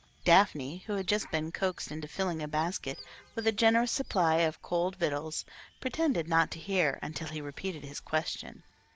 Daphne, who had just been coaxed into filling a basket with a generous supply of cold victuals, pretended not to hear until he repeated his question.